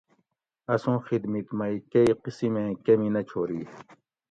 اسوں خدمِت مئ کئ قسمیں کمی نہ چھوری